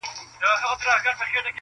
د شپو په زړه کي وینمه توپان څه به کوو؟-